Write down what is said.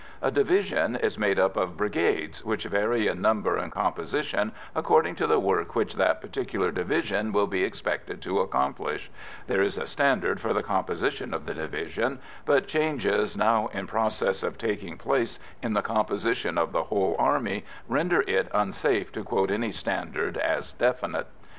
A division is made up of brigades, which vary in number and composition according to the work which that particular division will be expected to accomplish there is a standard for the composition of the division, but changes now in process of taking place in the composition of the whole army render it unsafe to quote any standard as definite.